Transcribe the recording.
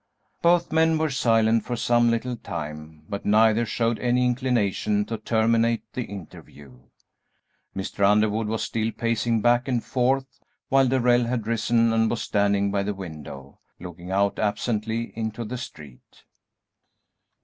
Both men were silent for some little time, but neither showed any inclination to terminate the interview. Mr. Underwood was still pacing back and forth, while Darrell had risen and was standing by the window, looking out absently into the street.